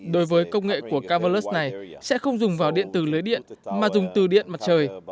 đối với công nghệ của kavalax này sẽ không dùng vào điện từ lưới điện mà dùng từ điện mặt trời